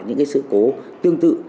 những sự cố tương tự